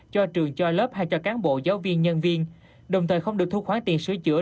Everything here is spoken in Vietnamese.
cho trường cho lớp hay cho cán bộ giáo viên nhân viên đồng thời không được thu khoản tiền sửa chữa